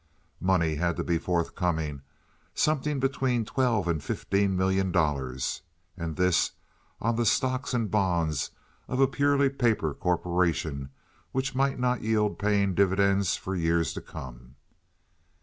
Money had to be forthcoming—something between twelve and fifteen million dollars—and this on the stocks and bonds of a purely paper corporation which might not yield paying dividends for years to come.